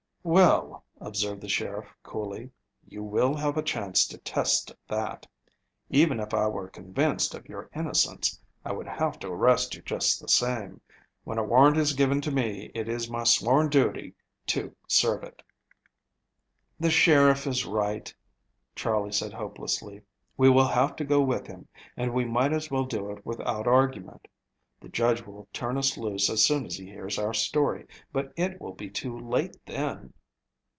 "Well," observed the sheriff coolly, "you will have a chance to test that. Even if I were convinced of your innocence, I would have to arrest you just the same. When a warrant is given me it is my sworn duty to serve it." "The sheriff is right," Charley said hopelessly. "We will have to go with him, and we might as well do it without argument. The judge will turn us loose as soon as he hears our story, but it will be too late then."